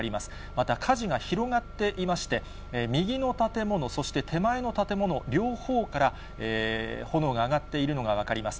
また火事が広がっていまして、右の建物、そして手前の建物両方から炎が上がっているのが分かります。